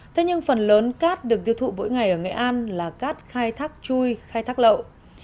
thế nhưng phần lớn cát được tiêu thụ mỗi ngày ở nghệ an là cát khai thác chui khai thác lậu